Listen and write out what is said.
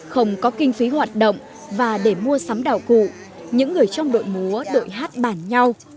không có kinh phí hoạt động và để mua sắm đạo cụ những người trong đội múa đội hát bản nhau